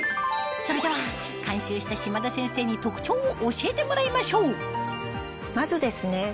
それでは監修した島田先生に特長を教えてもらいましょうまずですね